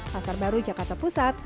pasar baru jakarta pusat